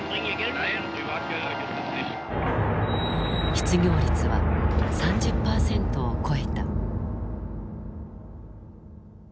失業率は３０％を超えた。